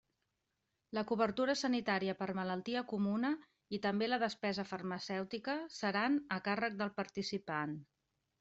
La cobertura sanitària per malaltia comuna, i també la despesa farmacèutica, seran a càrrec del participant.